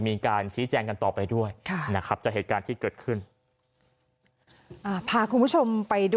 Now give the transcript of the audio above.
พาคุณผู้ชมไปดูความ